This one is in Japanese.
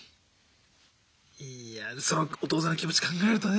いやあそのお父さんの気持ち考えるとね